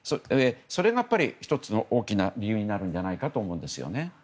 それが１つの大きな理由になるんじゃないかと思うんですよね。